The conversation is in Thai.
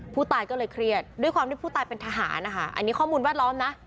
ผู้ตายก็เลยเครียดด้วยความที่ผู้ตายเป็นทหารนะคะอันนี้ข้อมูลแวดล้อมนะ